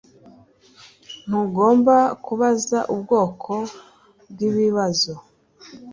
Ntugomba kubaza ubwoko bwibibazo